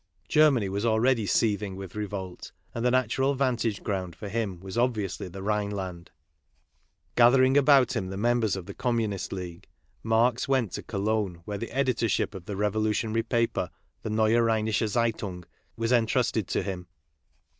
Germany was already seething with revolt, and the natural vantage ground for him was obviously the Rhineland. Gathering about him KARL MARX 17 the members of the Communist League, Marx went to Cologne where the editorship of the revolutionary paper, the Neue Rheinische Zeitimg, was entrusted to him.